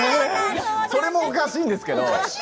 それも、おかしいんですけど。